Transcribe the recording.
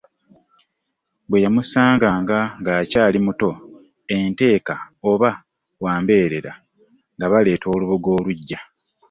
Bwe yamusanganga ng’akyali muto, enteeka oba wa mbeerera, nga baleeta olubugo oluggya.